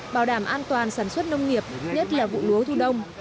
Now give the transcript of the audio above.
bảo đảm an toàn sản xuất nông nghiệp nhất là vụ lúa thu đông